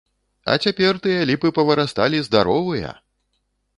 А цяпер тыя ліпы павырасталі здаровыя!